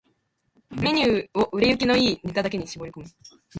ⅱ メニューを売れ行きの良いネタだけに絞り込む